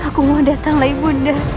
aku mohon datanglah ibu ratu